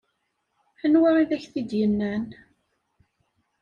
Anwa i d ak-t-id-yennan?